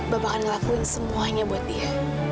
bapak akan ngelakuin semuanya buat dia